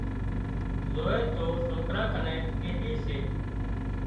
زووي تو سوران ڪنين پيٽي سي